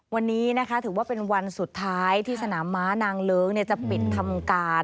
วันนี้นะคะถือว่าเป็นวันสุดท้ายที่สนามม้านางเลิ้งจะปิดทำการ